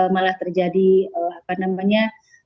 malah terjadi apa namanya